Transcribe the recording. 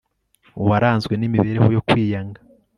uwaranzwe nimibereho yo kwiyanga